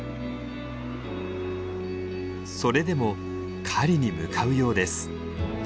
それでも狩りに向かうようです。